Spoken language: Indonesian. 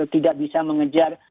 tidak bisa mengejar